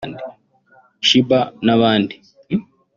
Sheebah n'abandi